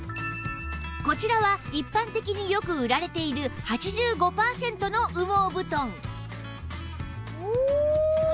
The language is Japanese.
こちらは一般的によく売られている８５パーセントの羽毛布団おお！